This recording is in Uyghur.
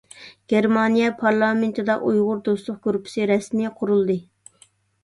گېرمانىيە پارلامېنتىدا «ئۇيغۇر دوستلۇق گۇرۇپپىسى» رەسمىي قۇرۇلدى.